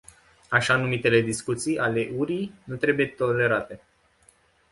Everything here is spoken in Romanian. Așa-numitele discuții ale urii nu trebuie tolerate.